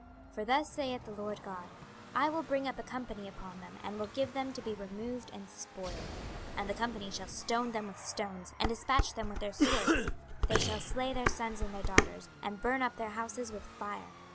26:023:046 For thus saith the Lord GOD; I will bring up a company upon them, and will give them to be removed and spoiled. 26:023:047 And the company shall stone them with stones, and dispatch them with their swords; they shall slay their sons and their daughters, and burn up their houses with fire.